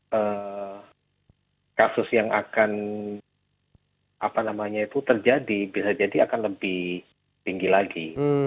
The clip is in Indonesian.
maka kasus yang akan apa namanya itu terjadi bisa jadi akan lebih tinggi lagi